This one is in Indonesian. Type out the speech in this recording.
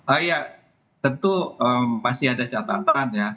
ah ya tentu pasti ada catatan ya